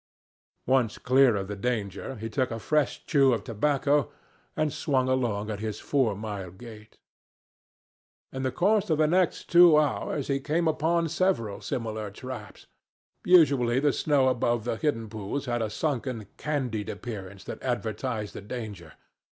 Once clear of the danger, he took a fresh chew of tobacco and swung along at his four mile gait. In the course of the next two hours he came upon several similar traps. Usually the snow above the hidden pools had a sunken, candied appearance that advertised the danger.